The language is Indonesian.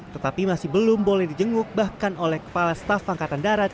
tetapi masih belum boleh dijenguk bahkan oleh kepala staf angkatan darat